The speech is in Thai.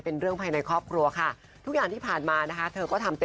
ครอบครัวทุกครอบครัวก็มีทั้งเข้าใจและไม่เข้าใจกันบ้าง